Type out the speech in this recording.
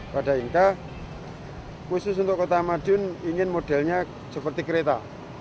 pada inka khusus untuk kota madiun ingin modelnya seperti kereta